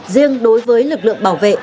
riêng đối với lực lượng bảo vệ